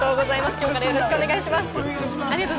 きょうから、よろしくお願いします。